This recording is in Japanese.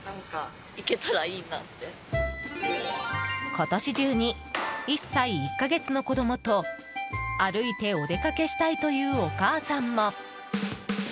今年中に１歳１か月の子どもと歩いてお出かけしたいというお母さんも。